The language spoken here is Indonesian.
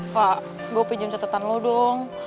pak gue pinjam catatan lo dong